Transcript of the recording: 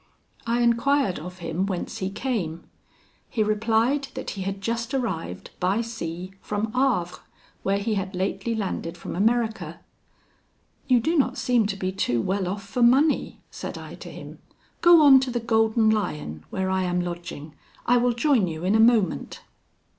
I enquired of him whence he came. He replied, that he had just arrived, by sea, from Havre, where he had lately landed from America. "You do not seem to be too well off for money," said I to him; "go on to the 'Golden Lion,' where I am lodging; I will join you in a moment."